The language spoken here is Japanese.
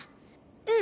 うん！